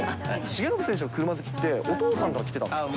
重信選手の車好きってお父さんからきてたんですか。